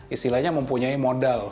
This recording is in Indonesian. istilahnya mempunyai modal